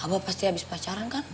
aku pasti habis pacaran kan